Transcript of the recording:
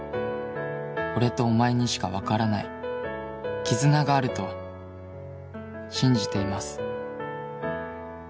「俺とお前にしか分からない」「絆があると信じています」